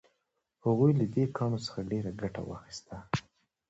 هغوی له دې کاڼو څخه ډیره ګټه واخیسته.